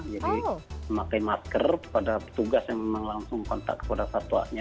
jadi memakai masker pada petugas yang memang langsung kontak kepada satuanya